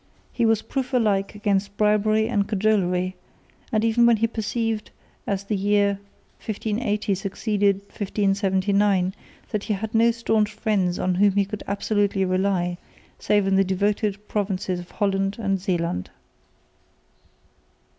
He was proof alike against bribery and cajolery, even when he perceived, as the year 1580 succeeded 1579, that he had no staunch friends on whom he could absolutely rely, save in the devoted provinces of Holland and Zeeland.